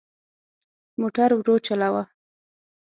موټر ورو چلوه.